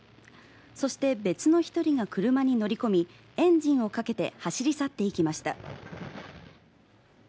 そして別の１人が車に乗り込み、エンジンをかけて走り去っていきました。